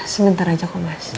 sebentar aja kok mas